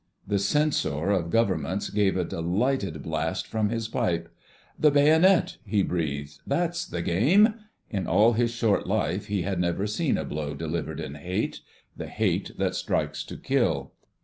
The Censor of Governments gave a delighted blast from his pipe— "The bayonet!" he breathed. "That's the game...!" In all his short life he had never seen a blow delivered in hate—the hate that strikes to kill.